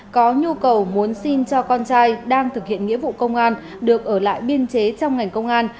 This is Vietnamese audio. có nhu cầu muốn xin cho con trai đang thực hiện nghĩa vụ công an được ở lại biên chế trong ngành công an